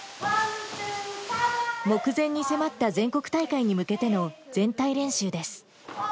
目前に迫った全国大会に向けての全体練習です。